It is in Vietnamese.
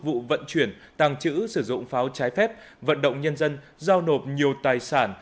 vụ vận chuyển tàng trữ sử dụng pháo trái phép vận động nhân dân giao nộp nhiều tài sản